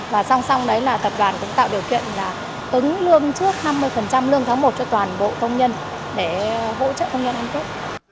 và song song đấy là tập đoàn cũng tạo điều kiện tứng lương trước năm mươi lương tháng một cho toàn bộ công nhân để hỗ trợ công nhân ăn tốt